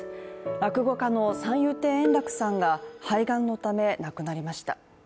落語家の三遊亭円楽さんが肺がんのため、亡くなりました。